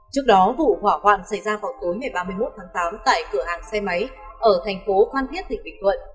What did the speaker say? trước đó vụ hỏa hoạn xảy ra vào tối một trăm ba mươi một tháng tám tại cửa hàng xe máy ở thành phố khoan thiết tỉnh bình thuận